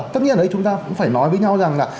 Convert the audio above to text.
tất nhiên chúng ta cũng phải nói với nhau rằng là